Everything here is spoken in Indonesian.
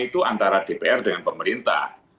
itu antara dpr dengan pemerintah